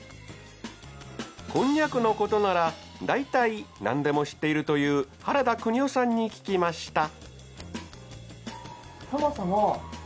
こんにゃくのことなら大体何でも知っているという原田都夫さんに聞きました。